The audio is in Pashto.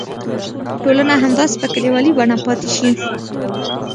ټولنه همداسې په کلیوالي بڼه پاتې شي.